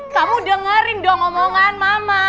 kamu dengerin dong omongan mama